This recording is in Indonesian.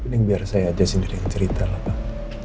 lebih baik saya aja sendiri yang cerita lah pak